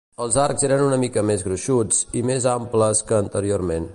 Els arcs eren una mica més gruixuts i més amples que anteriorment.